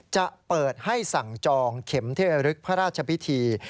จะเปิดให้สั่งจองเข็มเทรึกพระราชพิธี